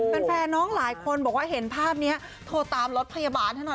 แฟนน้องหลายคนบอกว่าเห็นภาพนี้โทรตามรถพยาบาลให้หน่อย